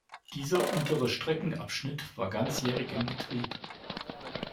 Dieser untere Streckenabschnitt war ganzjährig in Betrieb.